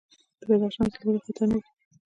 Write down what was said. د بدخشان زلزلې خطرناکې دي